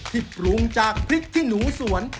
ปรุงจากพริกขี้หนูสวน